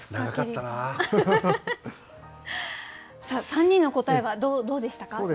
さあ３人の答えはどうでしたか？